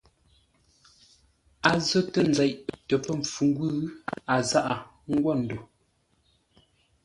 A zətə nzeʼ tə pə́ mpfu-ngwʉ̂, a zaʼa ńgwó ndo.